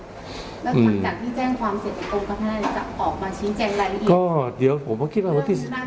แล้วหลังจากที่แจ้งความเสียบกับกรมคราวในในจะออกมาชิ้นแจ้งอะไรอีก